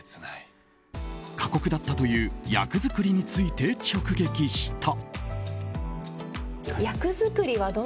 過酷だったという役作りについて直撃した。